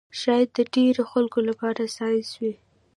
شاید د ډېرو خلکو لپاره ساینس وي